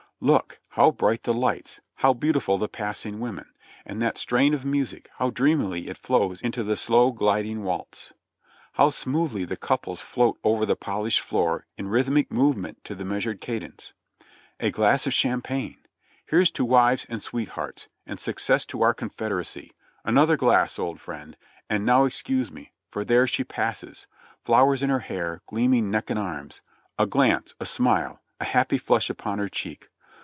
"Look! How bright the lights! How beautiful the passing women ! And that strain of music, how dreamily it flows into the slow, gliding waltz ! How smoothly the couples float over the polished floor in rhythmic movement to the measured cadence ! A glass of champagne ! Here's to wives and sweethearts ; and suc cess to our Confederacy — another glass, old friend ! And now excuse me !— for there she passes ! Flowers in her hair, gleaming neck and arms ! A glance, a smile — a happy flush upon her cheek.